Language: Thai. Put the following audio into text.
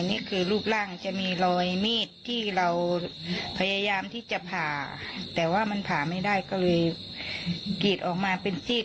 นี่คือรูปร่างจะมีรอยมีดที่เราพยายามที่จะผ่าแต่ว่ามันผ่าไม่ได้ก็เลยกรีดออกมาเป็นซีด